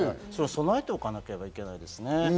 備えておかなければいけないですね。